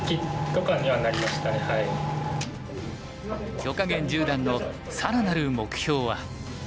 許家元十段の更なる目標は。